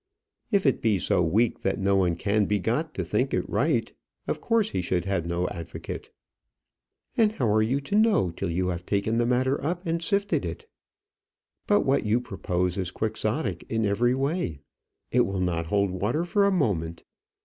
"If it be so weak that no one can be got to think it right, of course he should have no advocate." "And how are you to know till you have taken the matter up and sifted it? But what you propose is Quixotic in every way. It will not hold water for a moment.